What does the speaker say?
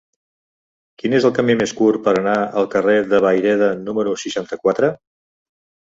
Quin és el camí més curt per anar al carrer de Vayreda número seixanta-quatre?